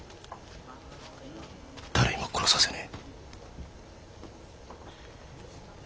誰にも殺させねえ。